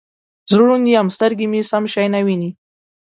زه ړوند یم سترګې مې سم شی نه وینې